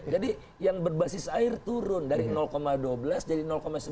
jadi yang berbasis air turun dari dua belas jadi sebelas